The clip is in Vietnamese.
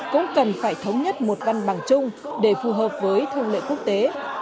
cũng cần phải thống nhất một văn bằng chung để phù hợp với thương lợi quốc tế